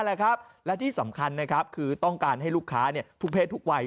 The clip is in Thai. และที่สำคัญคือต้องการให้ลูกค้าทุกเพศทุกวัย